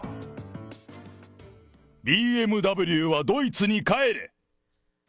ＢＭＷはドイツに帰れ！